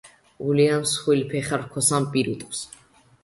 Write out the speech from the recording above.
უვლიან მსხვილფეხა რქოსან პირუტყვს.